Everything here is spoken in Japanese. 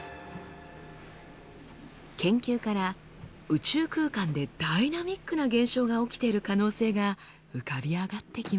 研究から宇宙空間でダイナミックな現象が起きている可能性が浮かび上がってきました。